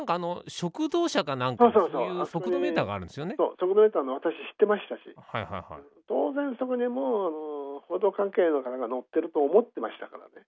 速度メーターあるの私知ってましたし当然そこにもう報道関係の方が乗ってると思ってましたからね。